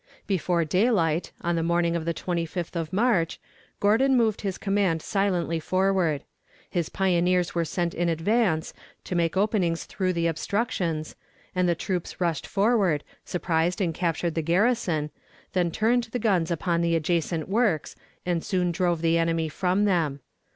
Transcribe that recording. Before daylight, on the morning of the 25th of March, Gordon moved his command silently forward. His pioneers were sent in advance to make openings through the obstructions, and the troops rushed forward, surprised and captured the garrison, then turned the guns upon the adjacent works and soon drove the enemy from them.